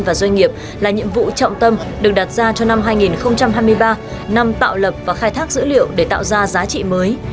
và doanh nghiệp là nhiệm vụ trọng tâm được đặt ra cho năm hai nghìn hai mươi ba năm tạo lập và khai thác dữ liệu để tạo ra giá trị mới